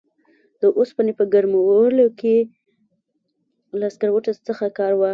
د اوسپنې په ګرمولو کې له سکرو څخه کار واخلي.